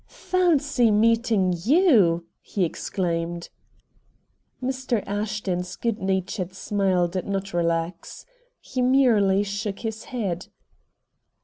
"Fancy meeting YOU!" he exclaimed. Mr. Ashton's good natured smile did not relax. He merely shook his head.